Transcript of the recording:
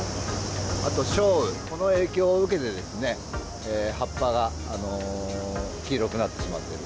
あと小雨、この影響を受けてですね、葉っぱが黄色くなってしまっている。